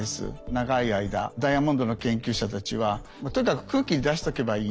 長い間ダイヤモンドの研究者たちはとにかく空気に出しとけばいいっていうね